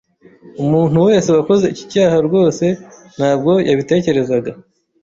Umuntu wese wakoze iki cyaha rwose ntabwo yabitekerezaga.